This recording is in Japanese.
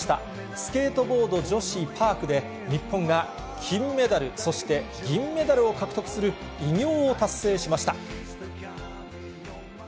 スケートボード女子パークで、日本が金メダル、そして銀メダルを獲得する偉業を達成しました。